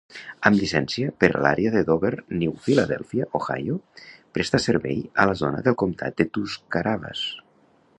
Amb llicència per a l'àrea de Dover-New Philadelphia (Ohio), presta servei a la zona del comtat de Tuscarawas.